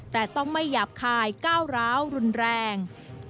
แต่ต้องไม่หยาบคายก้าวร้าวรุนแรง